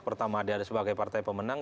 pertama dia sebagai partai pemenang